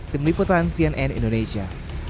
tim liputan cnn indonesia